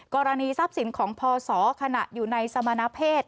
กรณีทรัพย์สินของพศขณะอยู่ในสมณเพศ